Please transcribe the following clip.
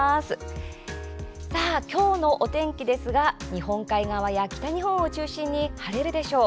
さあ、今日のお天気ですが日本海側や北日本を中心に晴れるでしょう。